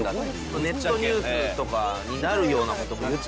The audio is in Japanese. ネットニュースとかになるような。